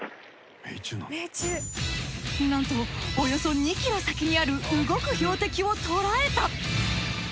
なんとおよそ２ｋｍ先にある動く標的を捉えた！